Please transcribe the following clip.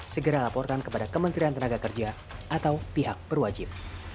segera laporkan kepada kementerian tenaga kerja atau pihak berwajib